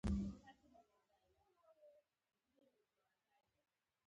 دا جزاګانې د خدای په نامه ورکول کېږي.